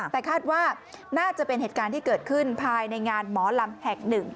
แต่คาดว่าน่าจะเป็นเหตุการณ์ที่เกิดขึ้นภายในงานหมอลำแห่งหนึ่ง